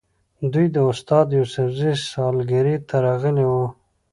دوی د استاد یوسفزي سالګرې ته راغلي وو.